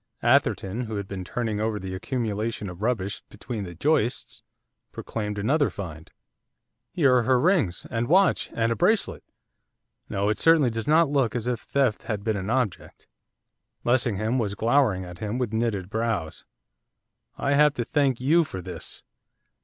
Atherton, who had been turning over the accumulation of rubbish between the joists, proclaimed another find. 'Here are her rings, and watch, and a bracelet, no, it certainly does not look as if theft had been an object.' Lessingham was glowering at him with knitted brows. 'I have to thank you for this.